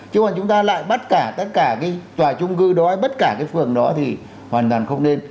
chứ còn chúng ta lại bắt cả tất cả cái tòa trung cư đói bất cả cái phường đó thì hoàn toàn không nên